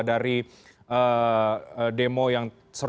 dari demo yang seru